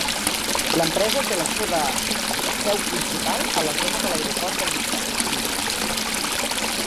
L'empresa té la seva seu principal a la zona del aeroport de Nitra, Nitra.